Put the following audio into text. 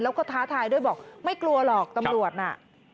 แล้วก็ท้าทายด้วยบอกไม่กลัวหรอกตำรวจน่ะ